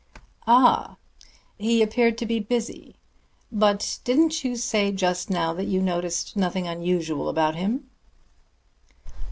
"Ah! He appeared to be busy. But didn't you say just now that you noticed nothing unusual about him?"